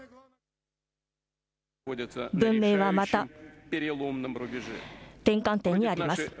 文明はまた、転換点にあります。